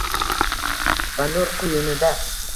Va nur quyunida